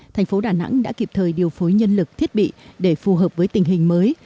thành phố đà nẵng đã kịp thời điều phối nhân lực thiết bị để phù hợp với tình hình mới